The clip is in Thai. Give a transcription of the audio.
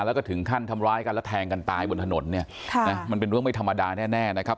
แล้วก็ถึงขั้นทำร้ายกันแล้วแทงกันตายบนถนนเนี่ยมันเป็นเรื่องไม่ธรรมดาแน่นะครับ